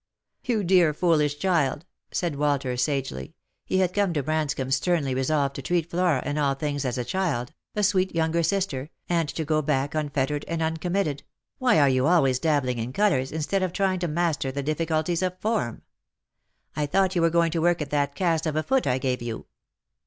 " You dear foolish child," said Walter sagely — he had come to Branscomb sternly resolved to treat Flora in all things as a child, a sweet younger sister, and to go back unfettered and un committed —" why are you always dabbling in colours, instead of trying to master the difficulties of form ? I thought you were going to work at that cast of a foot I gave you."